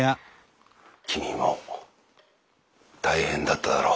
君も大変だっただろう。